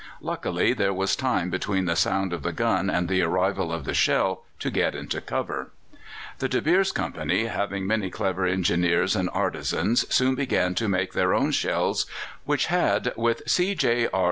Luckily there was time between the sound of the gun and the arrival of the shell to get into cover. The De Beers Company, having many clever engineers and artisans, soon began to make their own shells, which had "With C. J. R.